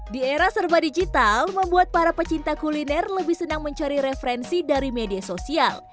di era serba digital membuat para pecinta kuliner lebih senang mencari referensi dari media sosial